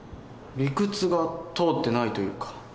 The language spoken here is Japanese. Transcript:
理屈が通ってないというか。